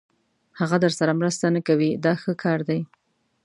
هغه درسره مرسته نه کوي دا ښه کار دی.